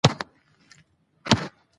دښتې د افغانستان د ولایاتو په کچه توپیر لري.